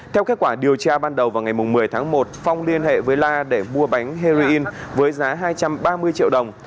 theo kết quả điều tra ban đầu vào ngày một mươi tháng một phong liên hệ với la để mua bánh heroin với giá hai trăm ba mươi triệu đồng